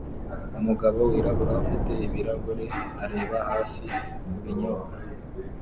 Umugabo wirabura ufite ibirahure areba hasi kubinyobwa